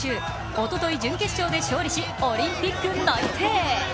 おととい準決勝で勝利しオリンピック内定。